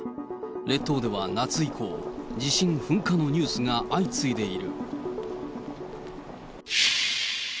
列島では夏以降、地震、噴火のニュースが相次いでいる。